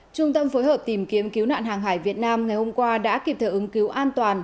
trung tâm phối hợp tìm kiếm cứu nạn hàng hải việt nam ngày hôm qua đã kịp thời ứng cứu an toàn